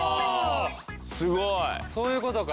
すごい！そういうことか！